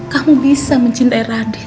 kamu bisa mencintai radit